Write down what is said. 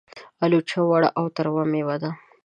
الوچه وړه او تروه مېوه ده.